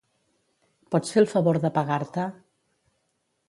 Pots fer el favor d'apagar-te?